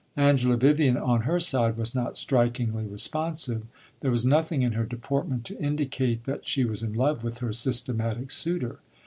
Angela Vivian, on her side, was not strikingly responsive. There was nothing in her deportment to indicate that she was in love with her systematic suitor.